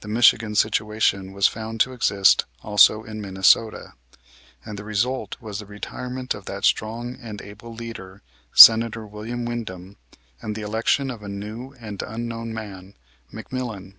The Michigan situation was found to exist also in Minnesota, and the result was the retirement of that strong and able leader, Senator William Windom, and the election of a new and unknown man, McMillan.